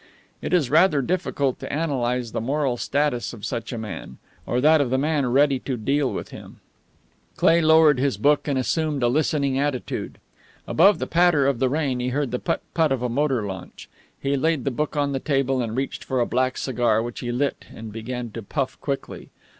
It is rather difficult to analyze the moral status of such a man, or that of the man ready to deal with him. Cleigh lowered his book and assumed a listening attitude. Above the patter of the rain he heard the putt putt of a motor launch. He laid the book on the table and reached for a black cigar, which he lit and began to puff quickly.